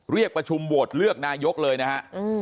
เรียกประชุมโหวตเลือกนายกเลยนะฮะ